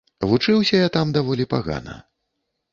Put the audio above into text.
Вучыўся я там даволі пагана.